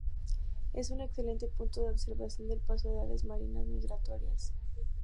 Es un excelente punto de observación del paso de aves marinas migratorias.